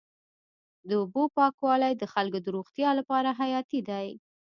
د اوبو پاکوالی د خلکو د روغتیا لپاره حیاتي دی.